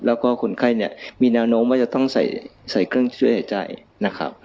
แล้วก็คนไข้เนี่ยมีแนวโน้มว่าจะต้องใส่เครื่องช่วยหายใจนะครับ